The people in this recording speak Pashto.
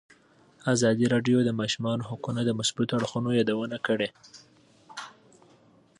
ازادي راډیو د د ماشومانو حقونه د مثبتو اړخونو یادونه کړې.